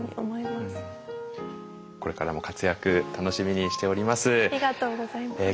これからも活躍楽しみにしております。